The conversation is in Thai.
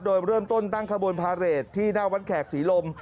โดยเริ่มต้นตั้งขบวนพาเรทที่หน้าวัดแขกศรีลม